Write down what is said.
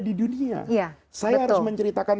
di dunia saya harus menceritakan